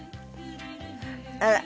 あら！